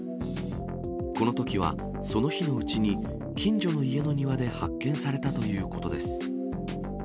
このときは、その日のうちに近所の家の庭で発見されたということです。